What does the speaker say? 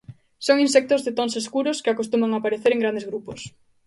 Son insectos de tons escuros que acostuman aparecer en grandes grupos.